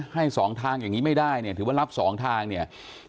ให้สองทางอย่างนี้ไม่ได้เนี่ยถือว่ารับ๒ทางเนี่ย